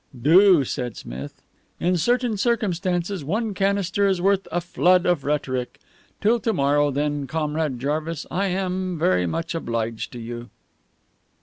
"Do," said Smith. "In certain circumstances one canister is worth a flood of rhetoric. Till to morrow, then, Comrade Jarvis. I am very much obliged to you."